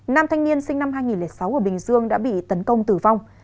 nam thanh niên sinh năm hai nghìn sáu ở bình dương đã bị tấn công tử vong